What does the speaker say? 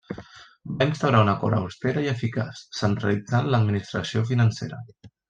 Va instaurar una cort austera i eficaç, centralitzant l'administració financera.